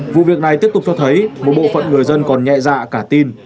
vụ việc này tiếp tục cho thấy một bộ phận người dân còn nhẹ dạ cả tin